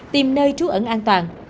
tìm nơi trú ẩn an toàn